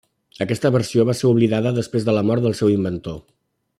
Aquesta versió va ser oblidada després de la mort del seu inventor.